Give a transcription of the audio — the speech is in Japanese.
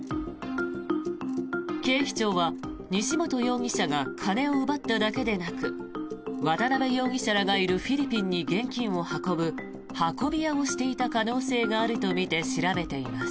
警視庁は西本容疑者が金を奪っただけでなく渡邉容疑者らがいるフィリピンに現金を運ぶ運び屋をしていた可能性があるとみて調べています。